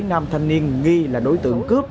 nam thanh niên nghi là đối tượng cướp